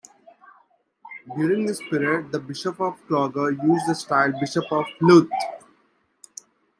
During this period the Bishop of Clogher used the style "Bishop of Louth".